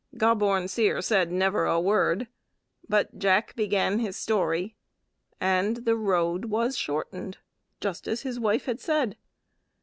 Gobborn Seer said never a word, but Jack began his story, and the road was shortened as his wife had said.